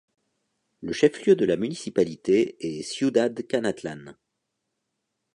Le chef-lieu de la municipalité est Ciudad Canatlán.